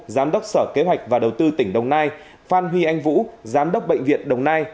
giám đốc sở kế hoạch và đầu tư tỉnh đồng nai phan huy anh vũ giám đốc bệnh viện đồng nai